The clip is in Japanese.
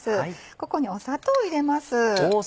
ここに砂糖入れます。